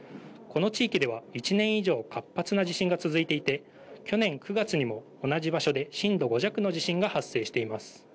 この地域では１年以上活発な地震が続いていて去年９月にも同じ場所で震度５弱の地震が発生しています。